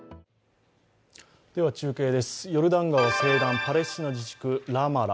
中継です、ヨルダン川西岸パレスチナ自治区ラマラ。